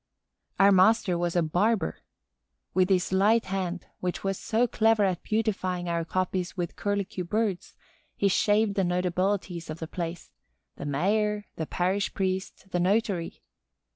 Our master was a barber. With his light hand, which was so clever at beautifying our copies with curlicue birds, he shaved the notabilities of the place: the mayor, the parish priest, the notary.